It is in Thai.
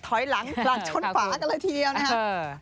ถอยหลังหลักชนฝาตลอดทีเดียวนะครับ